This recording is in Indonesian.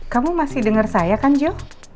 kamu masih dengar saya kan jo